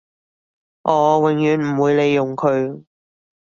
我永遠唔會利用佢